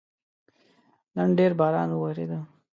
نن ډېر باران وورېده